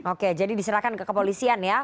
oke jadi diserahkan ke kepolisian ya